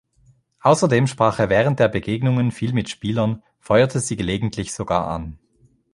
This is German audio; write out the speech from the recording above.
Außerdem sprach er während der Begegnungen viel mit Spielern, feuerte sie gelegentlich sogar an.